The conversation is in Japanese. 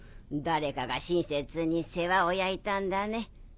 誰かが親切に世話を焼いたんだね。